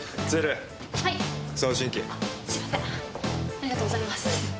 ありがとうございます。